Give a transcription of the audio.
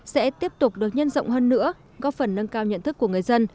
sẽ tiếp tục được nhân rộng hơn nữa góp phần nâng cao nhận thức của người dân